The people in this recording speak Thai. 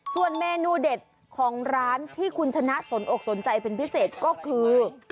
ส่วนเมนูเด็ดของร้านที่คุณชนะสนอกสนใจเป็นพิเศษก็คือ